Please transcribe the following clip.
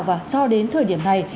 và cho đến thời điểm này